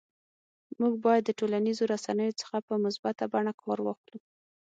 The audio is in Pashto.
موږ باید د ټولنیزو رسنیو څخه په مثبته بڼه کار واخلو